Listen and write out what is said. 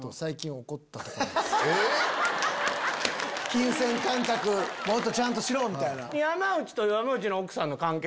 「金銭感覚もっとちゃんとしろ」みたいな？